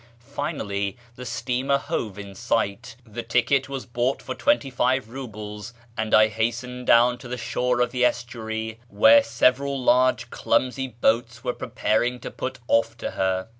Finally the steamer hove in sight, the ticket was bought for twenty five roubles, and I hastened down to the shore of the estuary, where several large clumsy boats were preparing to put off to her.